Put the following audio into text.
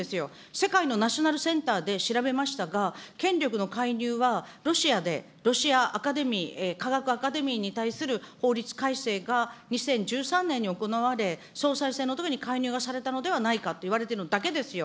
世界のナショナルセンターで調べましたが、権力の介入はロシアで、ロシアアカデミー、科学アカデミーに対する法律改正が２０１３年に行われ、総裁選のときに、介入をされたのではないかといわれているだけですよ。